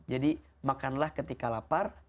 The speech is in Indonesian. jadi makanlah ketika lapar